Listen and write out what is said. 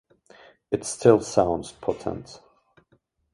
It still sounds potent.